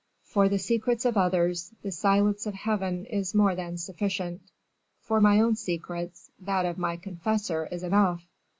For the secrets of others, the silence of Heaven is more than sufficient; for my own secrets, that of my confessor is enough."